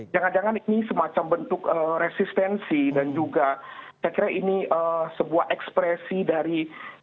jangan jangan ini semacam bentuk resistensi dan juga saya kira ini sebuah ekspresi dari